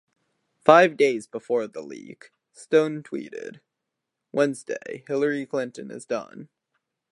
Five days before the leak, Stone tweeted, Wednesday Hillary Clinton is done.